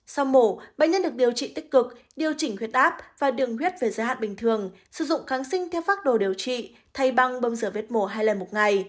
sau mổ bệnh nhân được điều trị tích cực điều chỉnh huyết áp và đường huyết về giới hạn bình thường sử dụng kháng sinh theo phác đồ điều trị thay băng bơm giờ vết mổ hai lần một ngày